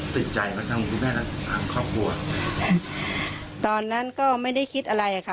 ติดใจว่าทางคุณแม่และทางครอบครัวตอนนั้นก็ไม่ได้คิดอะไรอ่ะค่ะ